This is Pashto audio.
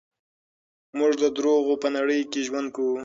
موږ د دروغو په نړۍ کې ژوند کوو.